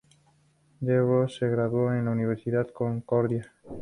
D." Rose se graduó en la Universidad Concordia.